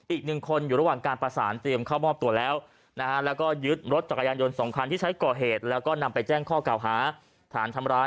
อีกหนึ่งคนอยู่ระหว่างการประสานเตรียมเข้ามอบตัวแล้วนะฮะ